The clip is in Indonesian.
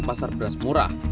operasi pasar beras murah